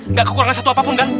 enggak kekurangan satu apapun enggak